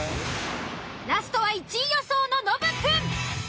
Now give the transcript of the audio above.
ラストは１位予想のノブくん。